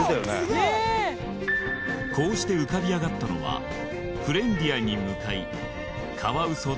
こうして浮かび上がったのは「フレンディアに向かい」「かわうそで」